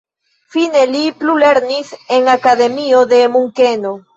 Fine li plulernis en akademio de Munkeno.